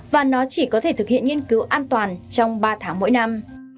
và nó chỉ có thể thực hiện nghiên cứu an toàn trong ba tháng mỗi năm